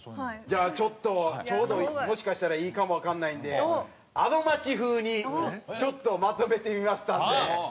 じゃあちょっとちょうどもしかしたらいいかもわからないので『アド街』風にちょっとまとめてみましたので。